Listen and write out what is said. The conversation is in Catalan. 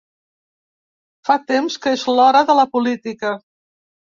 Fa temps que és l’hora de la política.